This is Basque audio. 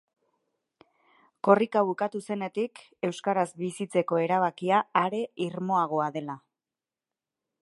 Korrika bukatu zenetik, euskaraz bizitzeko erabakia are irmoagoa dela.